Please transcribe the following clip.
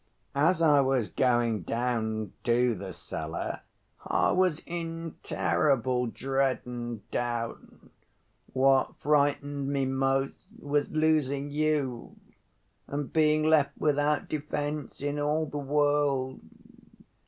As I was going down to the cellar, I was in terrible dread and doubt. What frightened me most was losing you and being left without defense in all the world.